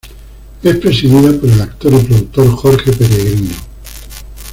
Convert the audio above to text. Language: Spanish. Es presidida por el actor y productor Jorge Peregrino.